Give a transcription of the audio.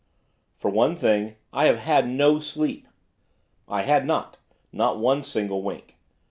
'For one thing, I have had no sleep.' I had not, not one single wink.